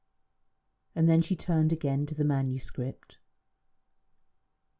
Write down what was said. And then she turned again to the manuscript.